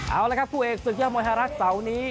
เอาละครับคู่เอกศึกยอดมวยไทยรัฐเสาร์นี้